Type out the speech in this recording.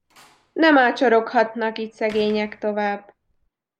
Nem ácsoroghatnak itt szegények tovább.